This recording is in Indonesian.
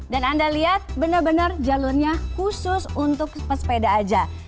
dan anda lihat benar benar jalurnya khusus untuk pesepeda aja